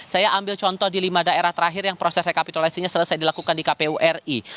saya ambil contoh di lima daerah terakhir yang proses rekapitulasinya selesai dilakukan di kpu ri